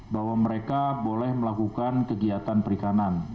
bahwa mereka boleh melakukan kegiatan perikanan